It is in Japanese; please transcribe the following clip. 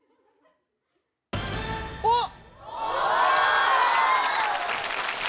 おっ！